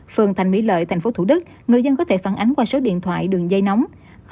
phường thành mỹ lợi thành phố thủ đức người dân có thể phản ánh qua số điện thoại đường dây nóng